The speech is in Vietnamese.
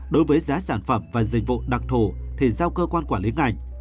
đối với giá sản phẩm và dịch vụ đặc thù thì giao cơ quan quản lý ngành